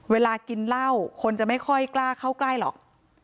เวลากินเหล้าคนจะไม่ค่อยกล้าเข้าใกล้หรอก